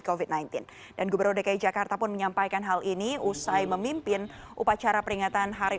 covid sembilan belas dan gubernur dki jakarta pun menyampaikan hal ini usai memimpin upacara peringatan hari